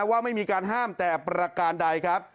ว่าไม่มีการห้ามแต่ประการใดครับ